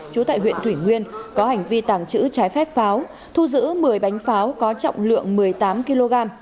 trú tại huyện thủy nguyên có hành vi tàng trữ trái phép pháo thu giữ một mươi bánh pháo có trọng lượng một mươi tám kg